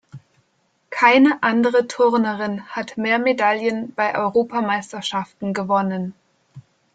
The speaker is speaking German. Keine andere Turnerin hat mehr Medaillen bei Europameisterschaften gewonnen.